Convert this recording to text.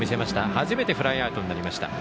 初めてフライアウトになりました。